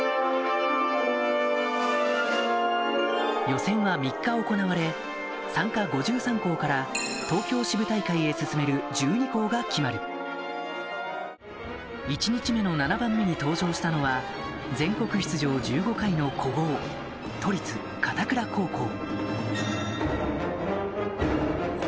予選は３日行われ参加５３校から東京支部大会へ進める１２校が決まる１日目の７番目に登場したのは全国出場１５回の古豪都立片倉高校